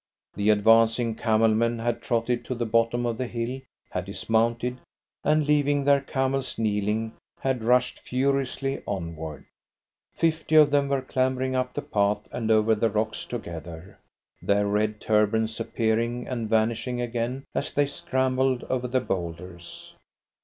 The advancing camel men had trotted to the bottom of the hill, had dismounted, and leaving their camels kneeling, had rushed furiously onward. Fifty of them were clambering up the path and over the rocks together, their red turbans appearing and vanishing again as they scrambled over the boulders.